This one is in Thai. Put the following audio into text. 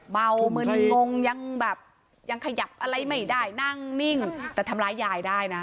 เมามึนงงยังแบบยังขยับอะไรไม่ได้นั่งนิ่งแต่ทำร้ายยายได้นะ